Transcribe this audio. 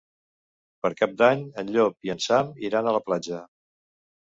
Per Cap d'Any en Llop i en Sam iran a la platja.